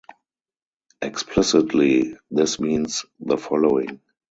Explicitly, this means the following.